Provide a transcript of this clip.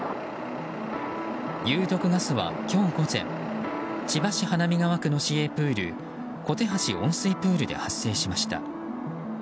有毒ガスは、今日午前千葉市花見川区の市営プールこてはし温水プールで発生しました。